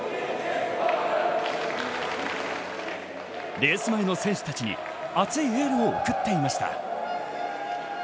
レース前の選手たちに熱いエールを送っていました。